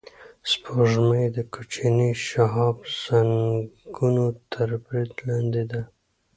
سپوږمۍ د کوچنیو شهابسنگونو تر برید لاندې ده